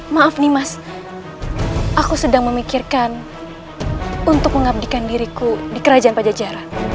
maaf nih mas aku sedang memikirkan untuk mengabdikan diriku di kerajaan pajajaran